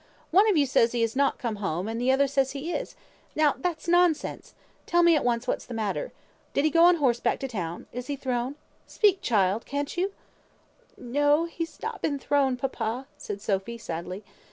"One of you says he is not come home, and the other says he is. Now that's nonsense! Tell me at once what's the matter. Did he go on horseback to town? Is he thrown? Speak, child, can't you?" "No! he's not been thrown, papa," said Sophy, sadly.